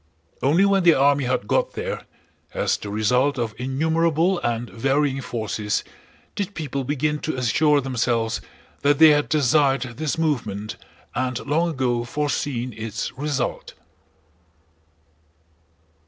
Only when the army had got there, as the result of innumerable and varying forces, did people begin to assure themselves that they had desired this movement and long ago foreseen its result.